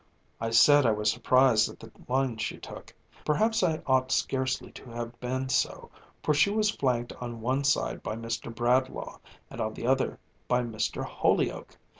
I said I was surprised at the line she took. Perhaps I ought scarcely to have been so, for she was flanked on one side by Mr. Bradlaugh, on the other by Mr. Holyoake!